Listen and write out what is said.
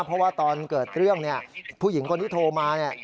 เพราะว่าตอนเกิดเรื่องผู้หญิงคนที่โทรมา